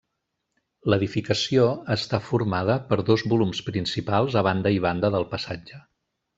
L'edificació està formada per dos volums principals a banda i banda del passatge.